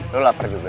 lo lapar juga